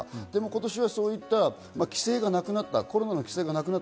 今年はそういった規制がなくなった。